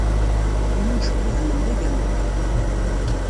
Ini n ucebbub-nnem d agaman?